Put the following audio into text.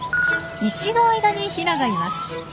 石の間にヒナがいます。